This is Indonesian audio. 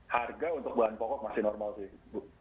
harga untuk bahan pokok masih normal sih